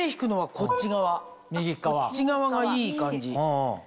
こっち側がいい感じ。